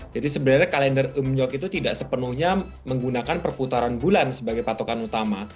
jadi sebenarnya kalender umnyok itu tidak sepenuhnya menggunakan perputaran bulan sebagai patokan utama